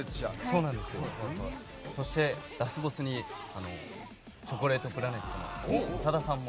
そして、ラスボスにチョコレートプラネットの長田さんも。